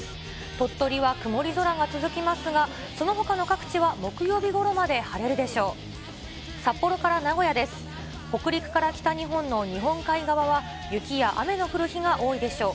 鳥取は曇り空が続きますが、そのほかの各地は木曜日ごろまで晴れるでしょう。